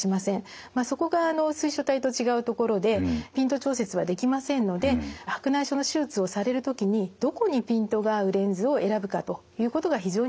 まあそこが水晶体と違うところでピント調節はできませんので白内障の手術をされる時にどこにピントが合うレンズを選ぶかということが非常に重要になってきます。